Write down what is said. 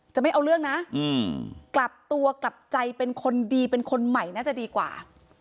ไม่เอาเรื่องนะกลับตัวกลับใจเป็นคนดีเป็นคนใหม่น่าจะดีกว่า